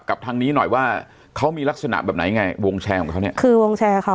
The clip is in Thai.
กับทางนี้หน่อยว่าเขามีลักษณะแบบไหนไงวงแชร์ของเขาเนี่ยคือวงแชร์เขา